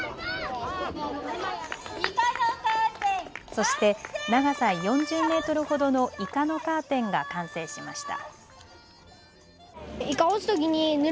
そして長さ４０メートルほどのイカのカーテンが完成しました。